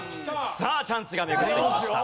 さあチャンスが巡ってきました。